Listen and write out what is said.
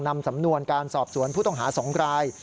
นำสำนวนการสอบสวนผู้ต้องหา๒ราย